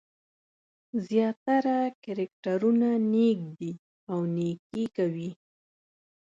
زیاتره کرکټرونه نېک دي او نېکي کوي.